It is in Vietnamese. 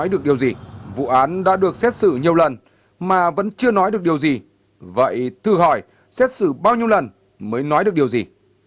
tòa án đã được xét xử nhiều lần mà vẫn chưa nói được điều gì vậy thử hỏi xét xử bao nhiêu lần mới nói được điều gì